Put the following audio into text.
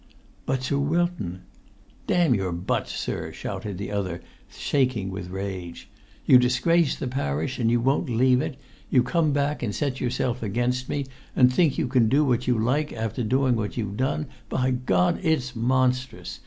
"But, Sir Wilton——" "Damn your 'buts,' sir!" shouted the other, shaking with rage. "You disgrace the parish, and you won't leave it. You come back, and set yourself against me, and think you can do what you like after doing what you've done. By God, it's monstrous!